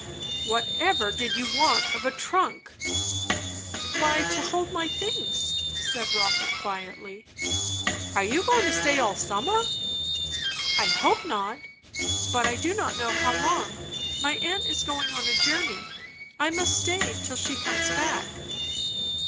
"Whatever did you want of a trunk?" "Why, to hold my things," said Rotha quietly. "Are you goin' to stay all summer?" "I hope not; but I do not know how long. My aunt is going on a journey; I must stay till she comes back."